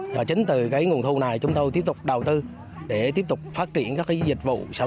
và chính từ cái nguồn thu này chúng tôi tiếp tục đầu tư để tiếp tục phát triển các dịch vụ sản